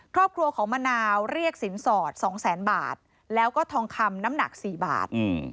ครอบครัวของมะนาวเรียกสินสอดสองแสนบาทแล้วก็ทองคำน้ำหนัก๔บาท